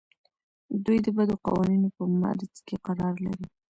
دوی د بدو قوانینو په معرض کې قرار لري.